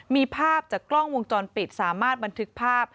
มีภาพจากกล้องวงจรปิดสามารถบันทึกภาพ